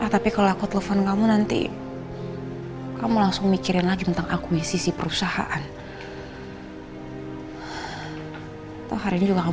terus soal anak anak gak usah dipikirin juga